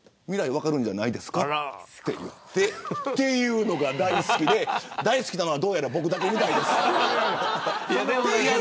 分かるんじゃないんですかと言ったというのが大好きで大好きなのはどうやら僕だけみたいです。